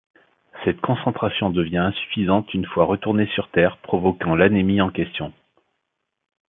Cette concentration devient insuffisante une fois retourné sur terre, provoquant l'anémie en question.